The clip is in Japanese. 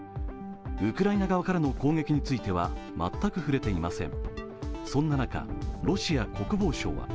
ウクライナ側からの攻撃については全く触れていません。